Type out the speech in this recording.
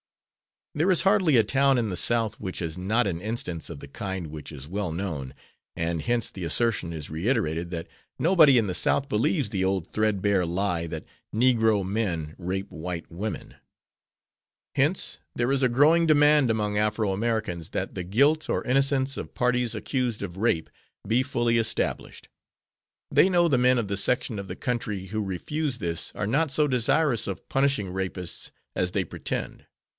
There is hardly a town in the South which has not an instance of the kind which is well known, and hence the assertion is reiterated that "nobody in the South believes the old thread bare lie that negro men rape white women." Hence there is a growing demand among Afro Americans that the guilt or innocence of parties accused of rape be fully established. They know the men of the section of the country who refuse this are not so desirous of punishing rapists as they pretend.